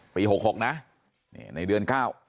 ปี๖๖นะในเดือน๙